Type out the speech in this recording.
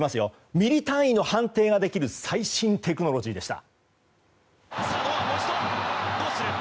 ミリ単位の判定ができる最新テクノロジーでした。